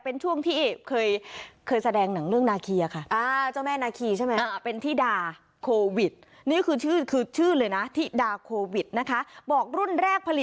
วันนี้เลยไปจนถึงสิบแปดนาฬิกาเพราะฉะนั้นใครสนใจลองเข้าไปดูใน